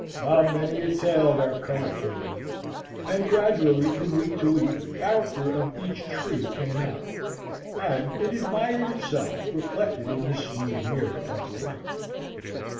Ah, many a tale their color told! And gradually from week to week the character of each tree came out, and it admired itself reflected in the smooth mirror of the lake.